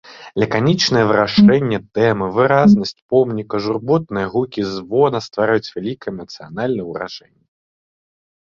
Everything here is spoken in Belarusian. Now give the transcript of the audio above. Лаканічнае вырашэнне тэмы, выразнасць помніка, журботныя гукі звона ствараюць вялікае эмацыянальнае ўражанне.